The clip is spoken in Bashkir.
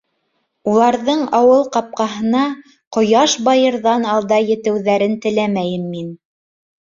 — Уларҙың ауыл ҡапҡаһына ҡояш байырҙан алда етеүҙәрен теләмәйем мин.